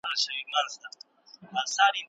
د نشهیې توکو د درملنې برخه تمویل شوې نه ده.